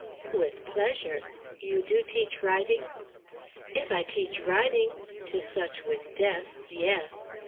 "With pleasure. You do teach writing?" "If I teach writing? To such with desks, yes.